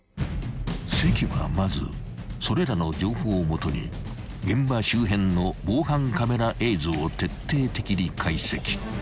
［関はまずそれらの情報をもとに現場周辺の防犯カメラ映像を徹底的に解析］